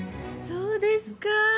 そうですか。